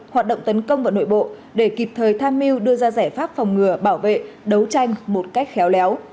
hoạt động tấn công vào nội bộ để kịp thời tham mưu đưa ra giải pháp phòng ngừa bảo vệ đấu tranh một cách khéo léo